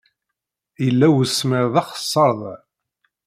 Yella usemmiḍ d axeṣṣar da!